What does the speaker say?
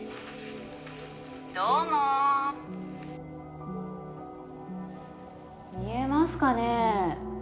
どうも見えますかね